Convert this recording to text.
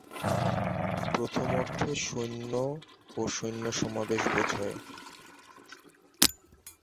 প্রথম অর্থে, সৈন্য ও সৈন্য সমাবেশ বোঝায়।